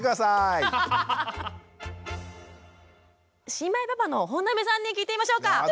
新米パパの本並さんに聞いてみましょうか。